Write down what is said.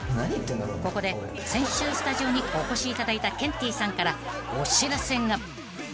［ここで先週スタジオにお越しいただいたケンティーさんからお知らせが］